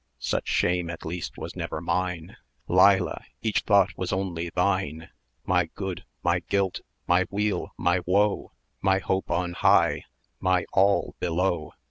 Such shame at least was never mine 1180 Leila! each thought was only thine! My good, my guilt, my weal, my woe, My hope on high my all below.